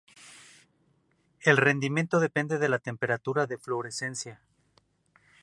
El rendimiento depende de la temperatura de fluorescencia.